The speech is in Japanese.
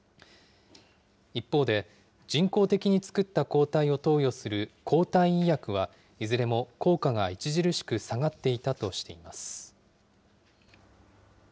一方で、人工的に作った抗体を投与する抗体医薬は、いずれも効果が著しく下がっていたとしています。